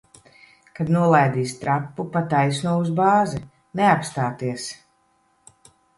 Kad nolaidīs trapu, pa taisno uz bāzi. Neapstāties!